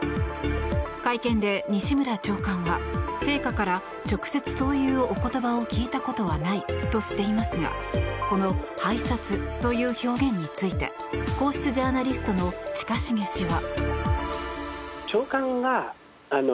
会見で西村長官は陛下から直接、そういうお言葉を聞いたことはないとしていますがこの拝察という表現について皇室ジャーナリストの近重氏は。